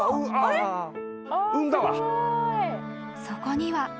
［そこには］